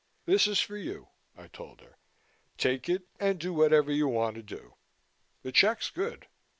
"This is for you," I told her. "Take it and do whatever you want to do. The check's good."